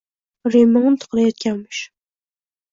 Remont qilayotganmish